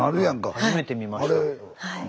初めて見ました。